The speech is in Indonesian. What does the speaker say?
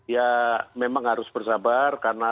ya memang harus bersabar karena